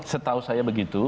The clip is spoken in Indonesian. setahu saya begitu